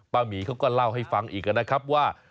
หมีเขาก็เล่าให้ฟังอีกนะครับว่า